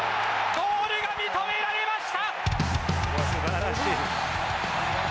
ゴールが認められました。